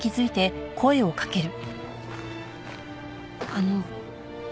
あの。